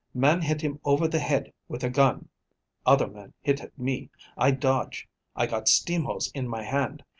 Man hit him over the head with a gun. Other man hit at me. I dodge. I got steam hose in my hand.